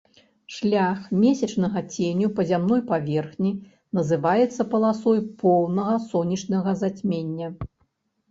Шлях месячнага ценю па зямной паверхні называецца паласой поўнага сонечнага зацьмення.